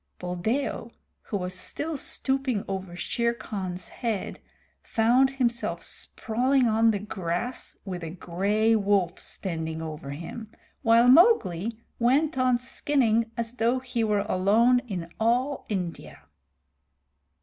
Buldeo, who was still stooping over Shere Khan's head, found himself sprawling on the grass, with a gray wolf standing over him, while Mowgli went on skinning as though he were alone in all India.